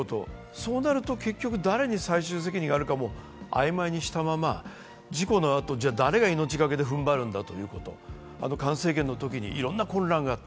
そうなると結局、最終責任が誰にあるかを曖昧にしたまま、事故のあと、誰が命がけでふんばるんだいうこと、いろんな混乱があった。